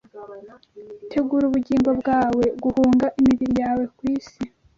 tegura ubugingo bwawe guhunga, imibiri yawe ku isi